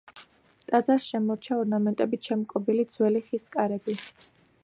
ტაძარს შემორჩა ორნამენტებით შემკობილი ძველი ხის კარები.